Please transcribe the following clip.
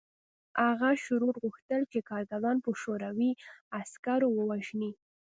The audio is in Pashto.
هغه شرور غوښتل چې کارګران په شوروي عسکرو ووژني